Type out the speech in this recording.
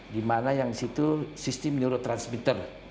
dimana yang disitu sistem neurotransmitter